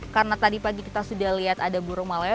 karena tadi pagi kita sudah lihat ada burung maleo